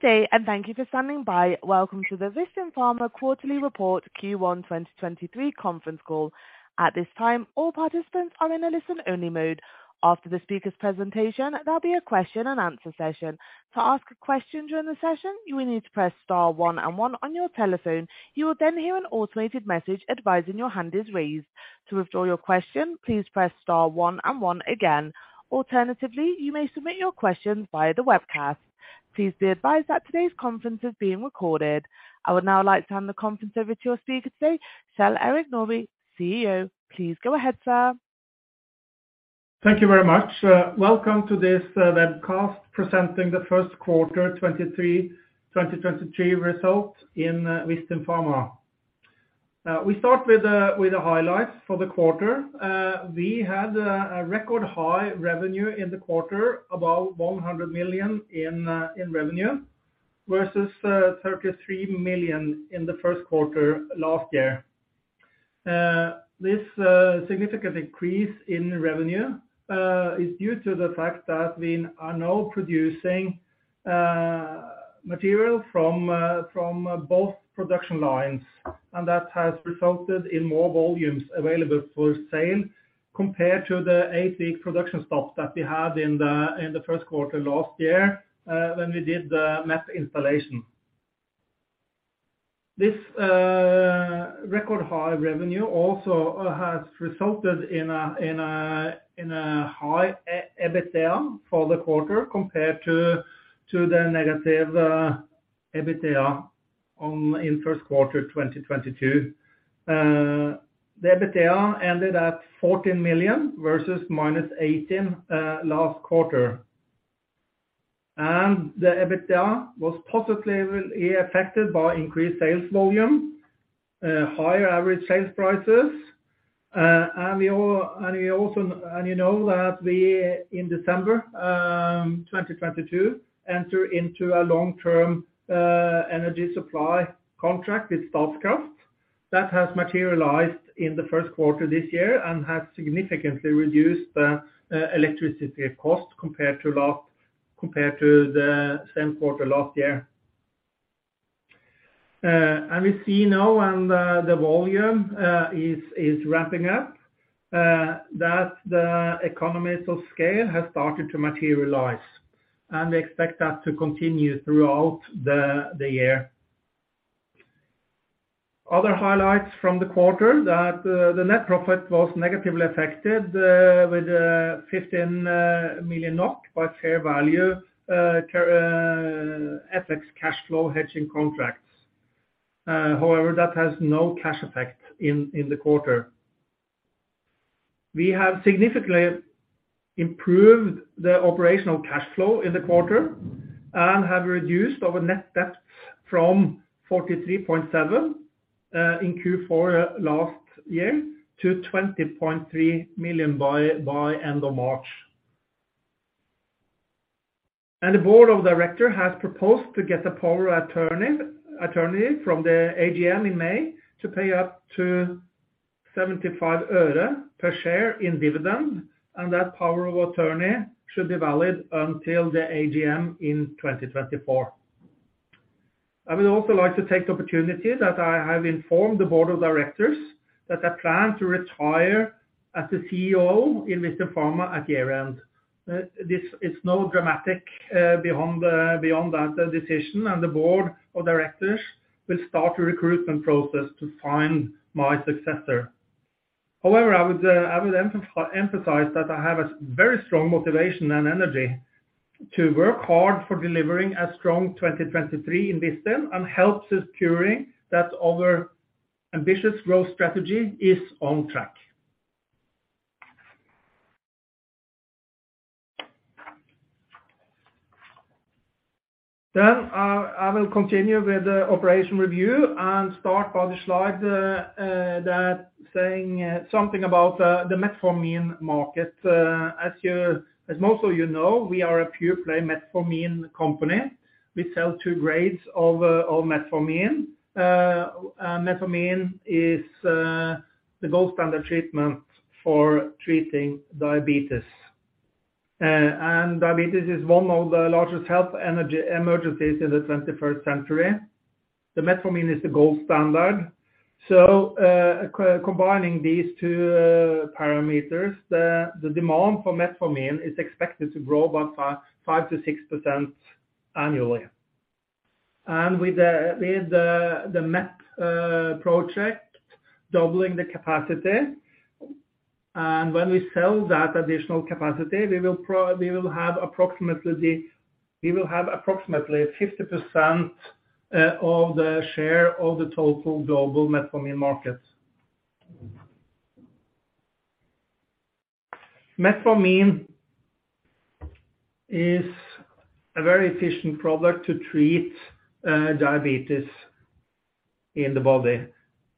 Good day, thank you for standing by. Welcome to the Vistin Pharma quarterly report Q1 2023 conference call. At this time, all participants are in a listen-only mode. After the speaker's presentation, there'll be a question and answer session. To ask a question during the session, you will need to press star one and one on your telephone. You will then hear an automated message advising your hand is raised. To withdraw your question, please press star one and one again. Alternatively, you may submit your question via the webcast. Please be advised that today's conference is being recorded. I would now like to hand the conference over to our speaker today, Kjell-Erik Nordby, CEO. Please go ahead, sir. Thank you very much. Welcome to this webcast presenting the first quarter 2023 results in Vistin Pharma. We start with the highlights for the quarter. We had a record high revenue in the quarter, about 100 million in revenue versus 33 million in the first quarter last year. This significant increase in revenue is due to the fact that we are now producing material from both production lines, and that has resulted in more volumes available for sale compared to the 8-week production stop that we had in the first quarter last year, when we did the MEP installation. This record high revenue also has resulted in a high EBITDA for the quarter compared to the negative EBITDA in first quarter 2022. The EBITDA ended at 14 million versus -18 million last quarter. The EBITDA was positively affected by increased sales volume, higher average sales prices. You know that we in December 2022, enter into a long-term energy supply contract with Statkraft. That has materialized in the first quarter this year and has significantly reduced the electricity cost compared to the same quarter last year. We see now when the volume is ramping up that the economies of scale has started to materialize, and we expect that to continue throughout the year. Other highlights from the quarter that the net profit was negatively affected with 15 million NOK by fair value FX cash flow hedging contracts. However, that has no cash effect in the quarter. We have significantly improved the operational cash flow in the quarter and have reduced our net debt from 43.7 million in Q4 last year to 20.3 million by end of March. The board of directors has proposed to get a power attorney from the AGM in May to pay up to 75 øre per share in dividend, and that power of attorney should be valid until the AGM in 2024. I would also like to take the opportunity that I have informed the board of directors that I plan to retire as the CEO in Vistin Pharma at year-end. This is no dramatic beyond that decision, the board of directors will start a recruitment process to find my successor. However, I would emphasize that I have a very strong motivation and energy to work hard for delivering a strong 2023 in Vistin Pharma and help securing that our ambitious growth strategy is on track. I will continue with the operation review and start by the slide that saying something about the metformin market. As most of you know, we are a pure-play metformin company. We sell two grades of metformin. Metformin is the gold standard treatment for treating diabetes. Diabetes is one of the largest health emergencies in the 21st century. The metformin is the gold standard. Combining these two parameters, the demand for metformin is expected to grow about 5%-6% annually. With the MEP project doubling the capacity, and when we sell that additional capacity, we will have approximately 50% of the share of the total global metformin market. Metformin is a very efficient product to treat diabetes in the body.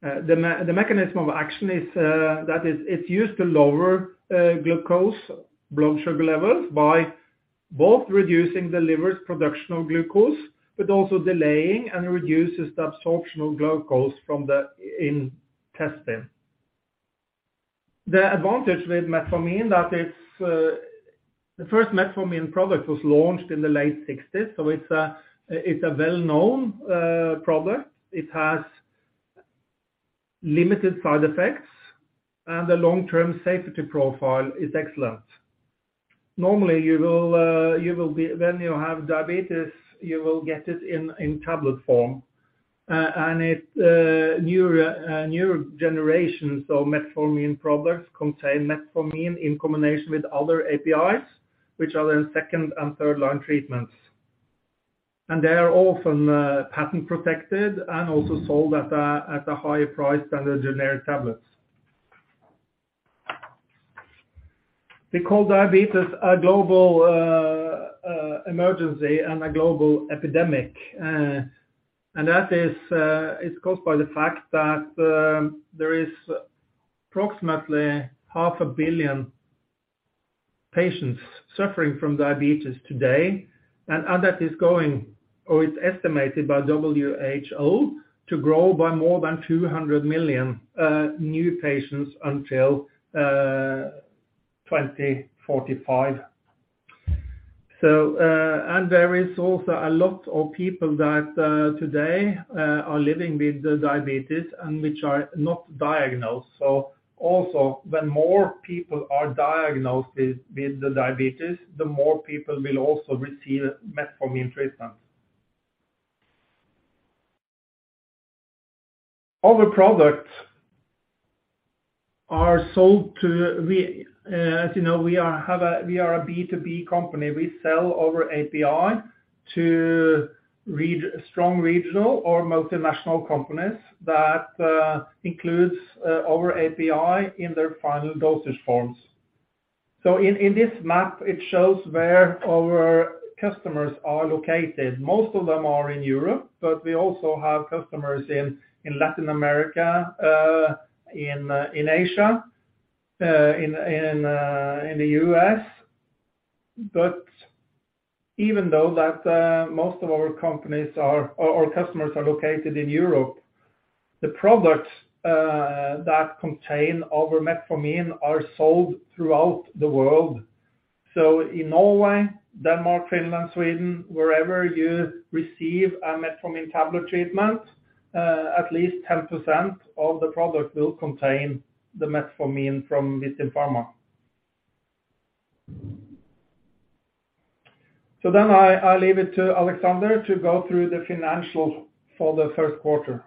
The mechanism of action is that it's used to lower glucose, blood sugar levels by both reducing the liver's production of glucose, but also delaying and reduces the absorption of glucose from the intestine. The advantage with metformin that it's the first metformin product was launched in the late 1960s. It's a well-known product. It has limited side effects, and the long-term safety profile is excellent. Normally, you will, when you have diabetes, you will get it in tablet form. It, new generations of metformin products contain metformin in combination with other APIs, which are in second and third-line treatments. They are often, patent protected and also sold at a higher price than the generic tablets. We call diabetes a global emergency and a global epidemic. That is caused by the fact that there is approximately half a billion patients suffering from diabetes today. That is going, or it's estimated by WHO to grow by more than 200 million new patients until 2045. There is also a lot of people that today are living with diabetes and which are not diagnosed. Also, when more people are diagnosed with the diabetes, the more people will also receive metformin treatment. All the products are sold. We, as you know, we are a B2B company. We sell our API to strong regional or multinational companies that includes our API in their final dosage forms. In this map, it shows where our customers are located. Most of them are in Europe. We also have customers in Latin America, in Asia, in the U.S. Even though that most of our customers are located in Europe, the products that contain our metformin are sold throughout the world. In Norway, Denmark, Finland, Sweden, wherever you receive a metformin tablet treatment, at least 10% of the product will contain the metformin from Vistin Pharma. I leave it to Alexander to go through the financials for the first quarter.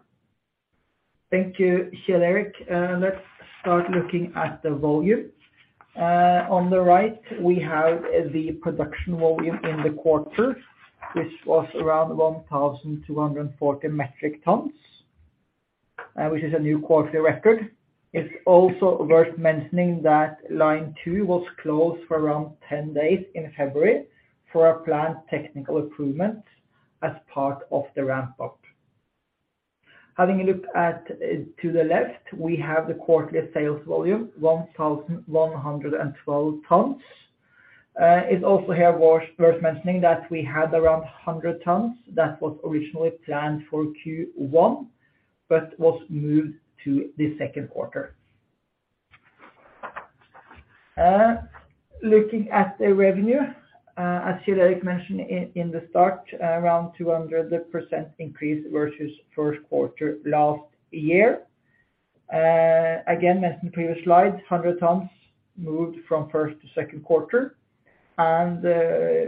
Thank you, Kjell-Erik. Let's start looking at the volume. On the right, we have the production volume in the quarter, which was around 1,240 metric tons, which is a new quarterly record. It's also worth mentioning that line 2 was closed for around 10 days in February for a planned technical improvement as part of the ramp-up. Having a look at to the left, we have the quarterly sales volume, 1,112 tons. It's also here worth mentioning that we had around 100 tons that was originally planned for Q1 but was moved to the second quarter. Looking at the revenue, as Kjell-Erik mentioned in the start, around 200% increase versus first quarter last year. Again, mentioned previous slide, 100 tons moved from first to second quarter.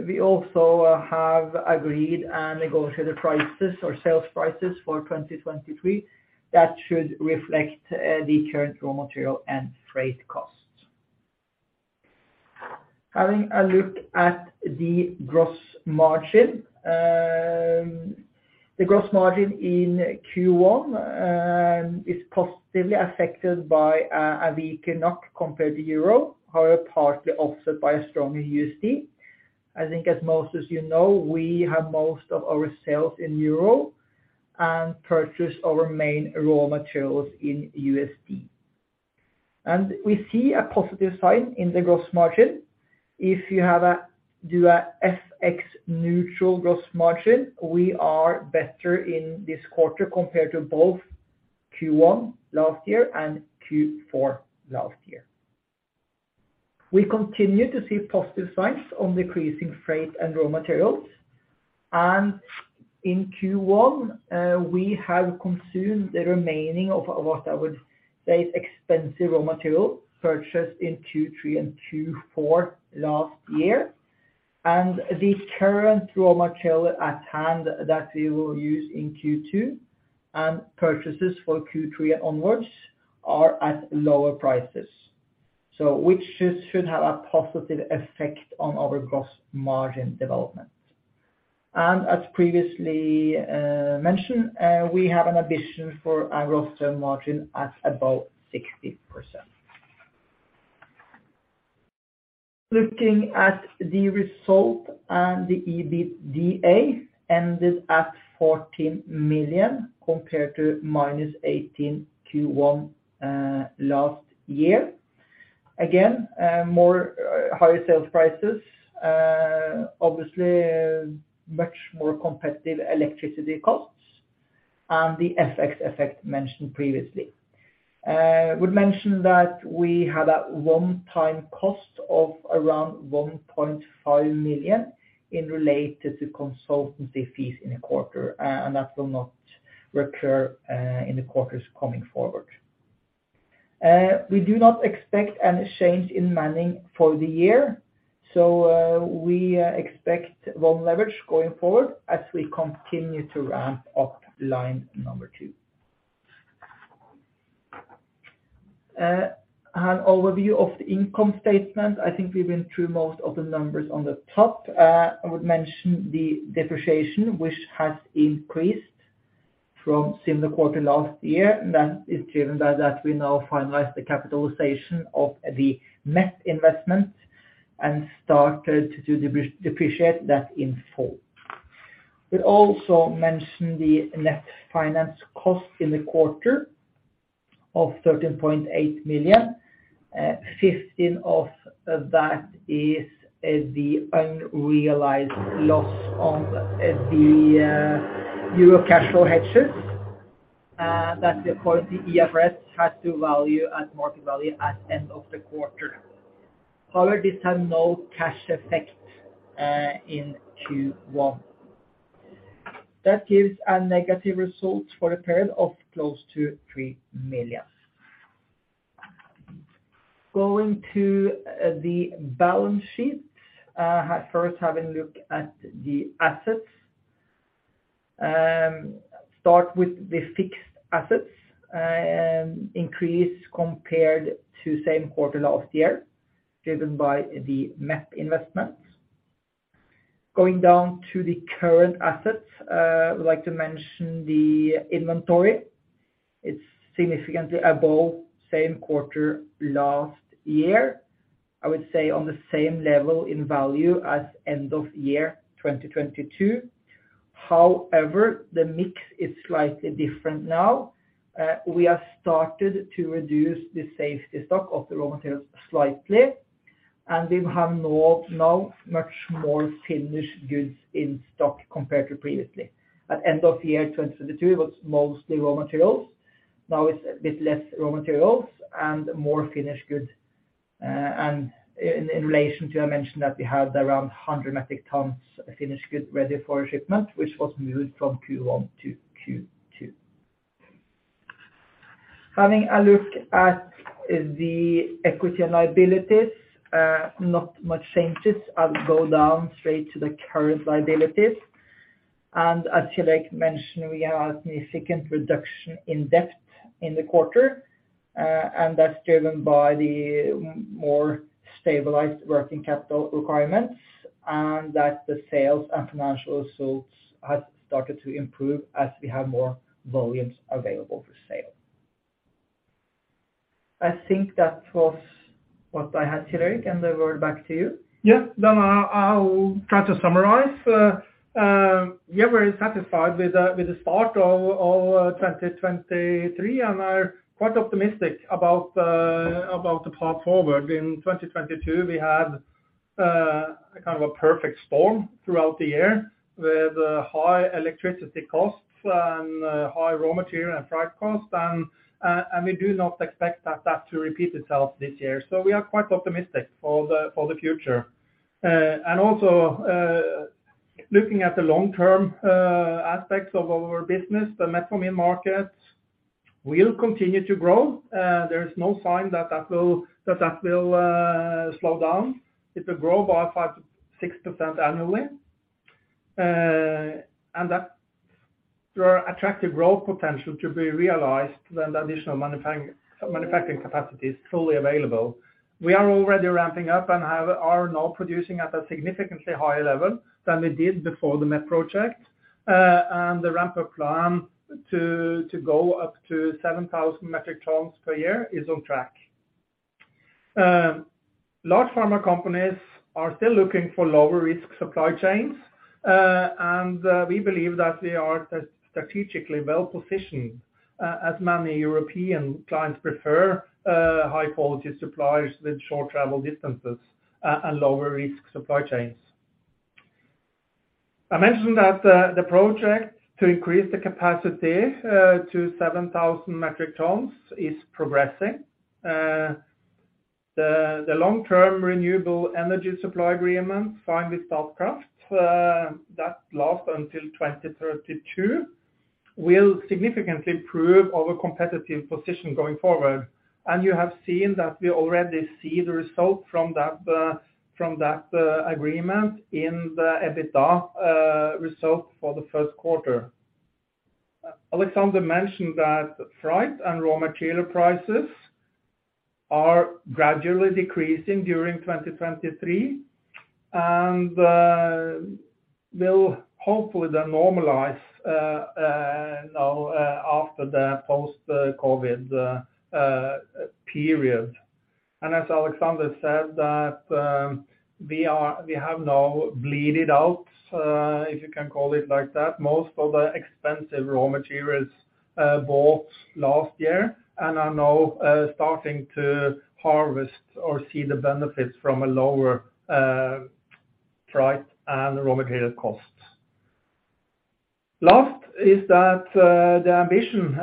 We also have agreed and negotiated prices or sales prices for 2023. That should reflect the current raw material and freight costs. Having a look at the gross margin. The gross margin in Q1 is positively affected by a weaker NOK compared to EUR, however partly offset by a stronger USD. I think as most as you know, we have most of our sales in EUR and purchase our main raw materials in USD. We see a positive sign in the gross margin. If you do a FX neutral gross margin, we are better in this quarter compared to both Q1 last year and Q4 last year. We continue to see positive signs on decreasing freight and raw materials. In Q1, we have consumed the remaining of what I would say is expensive raw material purchased in Q3 and Q4 last year. The current raw material at hand that we will use in Q2 and purchases for Q3 onwards are at lower prices, so which should have a positive effect on our gross margin development. As previously, mentioned, we have an ambition for a gross term margin at about 60%. Looking at the result and the EBITDA ended at 14 million compared to minus 18 Q1 last year. Again, more, higher sales prices, obviously, much more competitive electricity costs. The FX effect mentioned previously. Would mention that we had a one-time cost of around 1.5 million in relation to the consultancy fees in a quarter, and that will not recur in the quarters coming forward. We do not expect any change in manning for the year, so we expect low leverage going forward as we continue to ramp up line number two. An overview of the income statement. I think we've been through most of the numbers on the top. I would mention the depreciation, which has increased from similar quarter last year, and that is driven by that we now finalized the capitalization of the MEP investment and started to depreciate that in full. We also mentioned the net finance cost in the quarter of 13.8 million. 15 of that is the unrealized loss on the euro cash flow hedges that the currency FX had to value at market value at end of the quarter. However, this had no cash effect in Q1. That gives a negative result for the period of close to 3 million. Going to the balance sheet. First having a look at the assets. Start with the fixed assets, increased compared to same quarter last year, driven by the MEP investments. Going down to the current assets, I would like to mention the inventory. It's significantly above same quarter last year. I would say on the same level in value as end of year 2022. However, the mix is slightly different now. We have started to reduce the safety stock of the raw materials slightly, and we have now much more finished goods in stock compared to previously. At end of year 2022, it was mostly raw materials. Now it's a bit less raw materials and more finished goods. In relation to, I mentioned that we had around 100 metric tons of finished good ready for shipment, which was moved from Q1 to Q2. Having a look at the equity and liabilities, not much changes. I'll go down straight to the current liabilities. As Kjell-Erik mentioned, we have a significant reduction in debt in the quarter, and that's driven by the more stabilized working capital requirements, and that the sales and financial results have started to improve as we have more volumes available for sale. I think that was what I had, Kjell-Erik, and then we're back to you. Yeah. No, no, I'll try to summarize. Yeah, we're satisfied with the start of 2023, and are quite optimistic about the path forward. In 2022, we had kind of a perfect storm throughout the year with high electricity costs and high raw material and freight costs. We do not expect that to repeat itself this year. We are quite optimistic for the future. Also, looking at the long-term aspects of our business, the metformin markets will continue to grow. There is no sign that that will slow down. It will grow by 5% to 6% annually. That there are attractive growth potential to be realized when the additional manufacturing capacity is fully available. We are already ramping up and are now producing at a significantly higher level than we did before the MEP project. The ramp-up plan to go up to 7,000 metric tons per year is on track. Large pharma companies are still looking for lower risk supply chains. We believe that we are strategically well positioned as many European clients prefer high-quality suppliers with short travel distances and lower risk supply chains. I mentioned that the project to increase the capacity to 7,000 metric tons is progressing. The long-term renewable energy supply agreement signed with Statkraft that last until 2032 will significantly improve our competitive position going forward. You have seen that we already see the result from that, from that agreement in the EBITDA result for the first quarter. Alexander mentioned that freight and raw material prices are gradually decreasing during 2023 and will hopefully then normalize now after the post-COVID period. As Alexander said, that we have now bleeded out, if you can call it like that, most of the expensive raw materials bought last year and are now starting to harvest or see the benefits from a lower freight and raw material costs. Last is that the ambition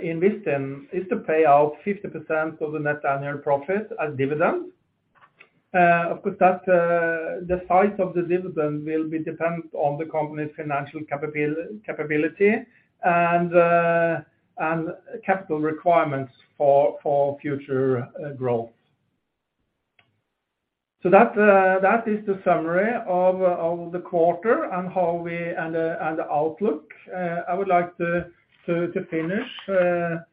in Vistin is to pay out 50% of the net annual profit and dividend. the size of the dividend will be dependent on the company's financial capability and capital requirements for future growth. That is the summary of the quarter and how we and the outlook. I would like to finish the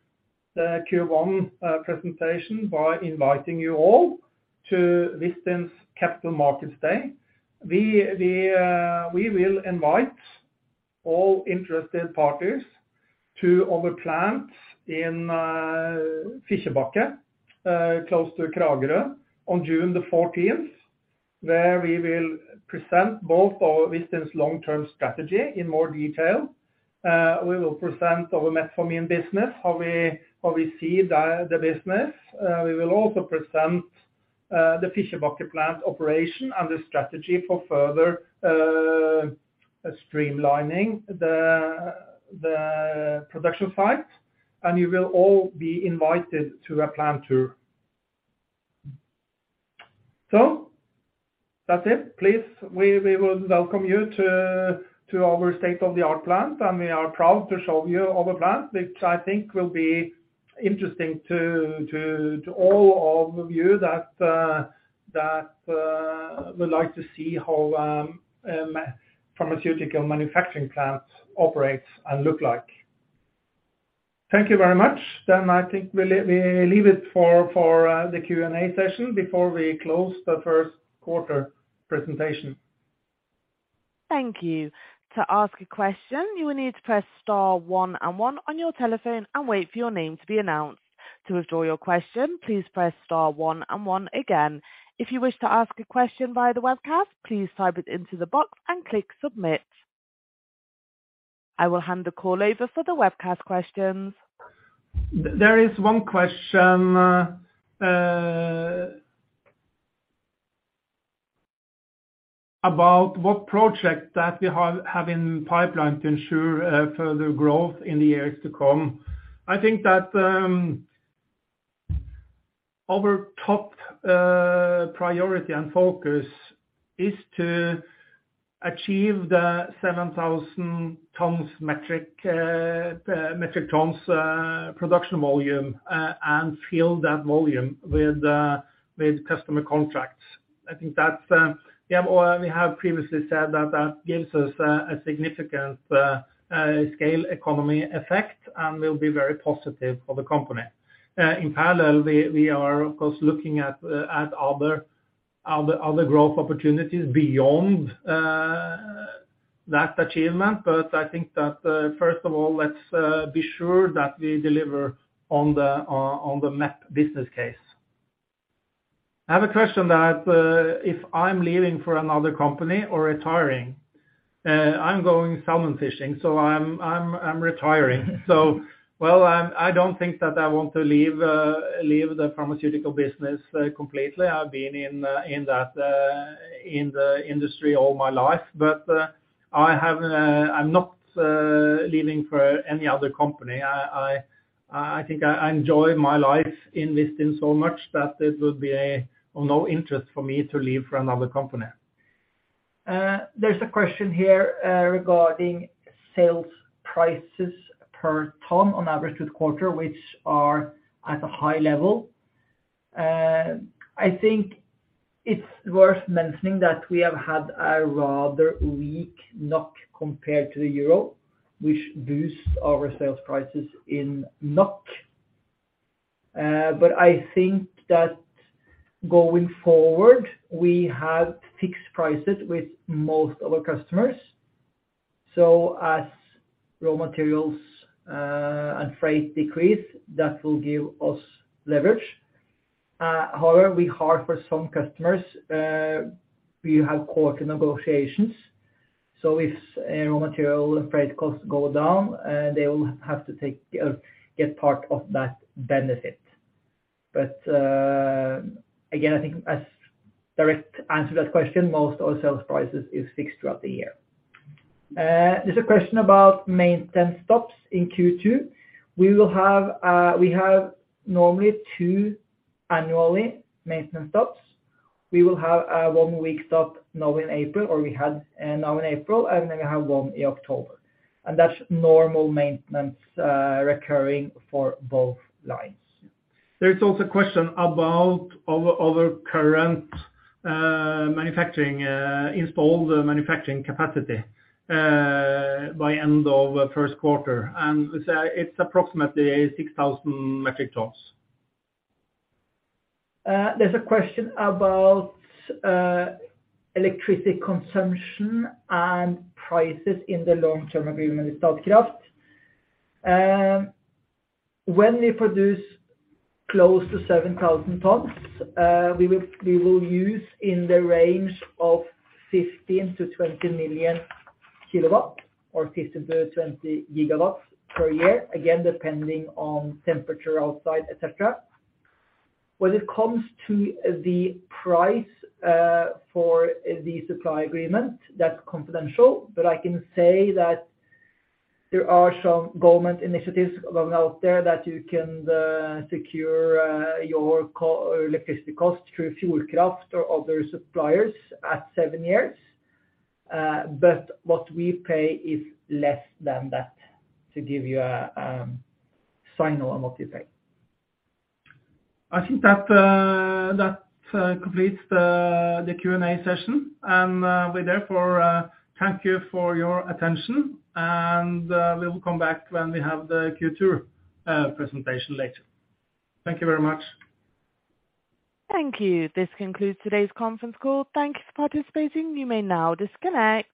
Q1 presentation by inviting you all to Vistin's Capital Markets Day. We will invite all interested parties to our plant in Fikkjebakke, close to Kragerø on June 14, where we will present both Vistin's long-term strategy in more detail. We will present our metformin business, how we, how we see the business. We will also present the Fikkjebakke plant operation and the strategy for further streamlining the production site, and you will all be invited to a plant tour. That's it. Please, we will welcome you to our state-of-the-art plant, and we are proud to show you our plant, which I think will be interesting to all of you that would like to see how pharmaceutical manufacturing plants operates and look like. Thank you very much. I think we leave it for the Q&A session before we close the first quarter presentation. Thank you. To ask a question, you will need to press star one and one on your telephone and wait for your name to be announced. To withdraw your question, please press star one and one again. If you wish to ask a question via the webcast, please type it into the box and click submit. I will hand the call over for the webcast questions. There is one question, about what project that we have in pipeline to ensure, further growth in the years to come. I think that, our top, priority and focus is to achieve the 7,000 metric tons, production volume, and fill that volume with customer contracts. I think that, yeah, or we have previously said that gives us, a significant, scale economy effect and will be very positive for the company. In parallel, we are of course, looking at other growth opportunities beyond, that achievement. I think that, first of all, let's, be sure that we deliver on the MEP business case. I have a question that if I'm leaving for another company or retiring, I'm going salmon fishing, so I'm retiring. Well, I don't think that I want to leave the pharmaceutical business completely. I've been in that in the industry all my life. I have, I'm not leaving for any other company. I think I enjoy my life in Vistin so much that it would be of no interest for me to leave for another company. There's a question here regarding sales prices per ton on average with quarter, which are at a high level. I think it's worth mentioning that we have had a rather weak NOK compared to the EUR, which boosts our sales prices in NOK. I think that going forward, we have fixed prices with most of our customers. As raw materials and freight decrease, that will give us leverage. However, we have for some customers, we have quarter negotiations, so if raw material and freight costs go down, they will have to take, get part of that benefit. Again, I think as direct answer to that question, most of our sales prices is fixed throughout the year. There's a question about maintenance stops in Q2. We will have, we have normally two annually maintenance stops. We will have one week stop now in April, or we had now in April, and then we have one in October. That's normal maintenance, recurring for both lines. There's also a question about our current manufacturing installed manufacturing capacity by end of first quarter, and it's approximately 6,000 metric tons. There's a question about electricity consumption and prices in the long-term agreement with Statkraft. When we produce close to 7,000 tons, we will use in the range of 15-20 million kW or 50-20 GW per year. Depending on temperature outside, etcetera. When it comes to the price for the supply agreement, that's confidential. I can say that there are some government initiatives going out there that you can secure your electricity cost through fuel craft or other suppliers at 7 years. What we pay is less than that to give you a final amount you pay. I think that completes the Q&A session. We therefore thank you for your attention. We will come back when we have the Q2 presentation later. Thank you very much. Thank you. This concludes today's conference call. Thank you for participating. You may now disconnect.